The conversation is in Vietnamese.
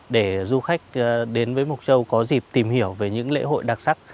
để du khách đến với mộc châu có dịp tìm hiểu về những lễ hội đặc sắc